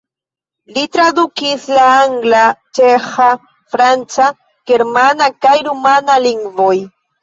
Li tradukis el angla, ĉeĥa, franca, germana kaj rumana lingvoj.